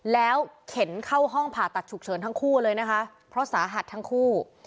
แล้วเข็นเข้าห้องผ่าตัดฉุกเฉินทั้งคู่เลยนะคะเพราะสาหัสทั้งคู่